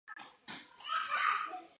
播放时间通常是上学前及放学后。